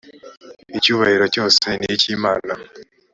icyubahiro cyose niki imana